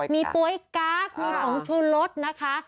มีปล่อยก๊าคมีของชูรสนะคะ